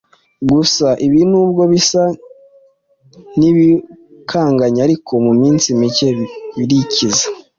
Gusa ibi nubwo bisa n’ibikanganye ariko mu minsi micye birikiza.